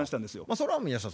それは宮下さん